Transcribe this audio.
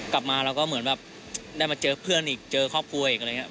กลับมาเราก็เหมือนแบบได้มาเจอเพื่อนอีกเจอครอบครัวอีกอะไรอย่างนี้